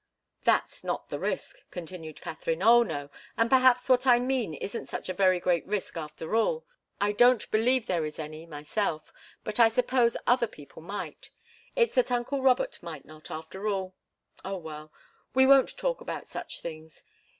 "That's not the risk," continued Katharine. "Oh, no! And perhaps what I mean isn't such a very great risk after all. I don't believe there is any, myself but I suppose other people might. It's that uncle Robert might not, after all oh, well! We won't talk about such things.